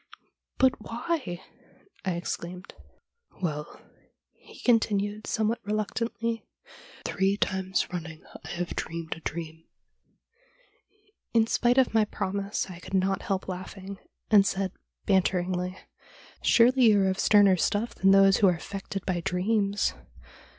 '" But why ?" I exclaimed. '" Well," he continued, somewhat reluctantly, " three times running I have dreamed a dream." In spite of my THE DREAM THAT CAME TRUE 11$ promise I could not help laughing, and said banteringly, " Surely you are of sterner stuff than those who are affected by dreams."